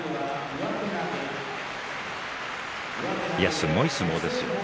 すごい相撲ですね。